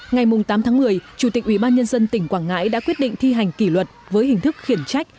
ngày tám tháng một mươi chủ tịch ubnd tỉnh quảng ngãi đã quyết định thi hành kỷ luật với hình thức khiển trách